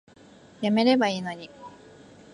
やめればいいのに